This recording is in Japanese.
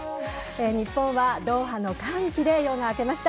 日本はドーハの歓喜で夜が明けました。